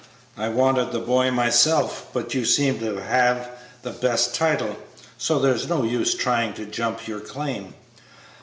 I wanted the boy myself, but you seem to have the best title, so there's no use to try to jump your claim."